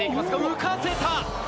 浮かせた。